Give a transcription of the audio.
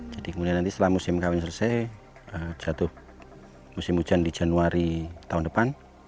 jadi kemudian nanti setelah musim kawin selesai jatuh musim hujan di januari tahun depan